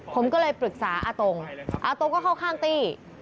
ผมก็เลยปรึกษาอาตรงอาตรงก็เข้าข้างตี้